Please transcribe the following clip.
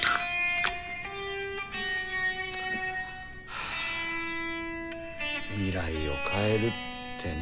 はあ未来を変えるってね。